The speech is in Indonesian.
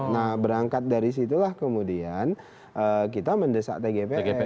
nah berangkat dari situlah kemudian kita mendesak tgpf